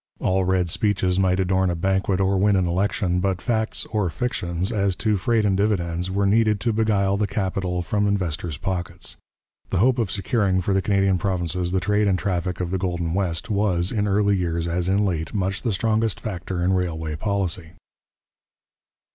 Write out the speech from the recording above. All red speeches might adorn a banquet or win an election, but facts or fictions as to freight and dividends were needed to beguile the capital from investors' pockets. The hope of securing for the Canadian provinces the trade and traffic of the golden West was, in early years as in late, much the strongest factor in railway policy.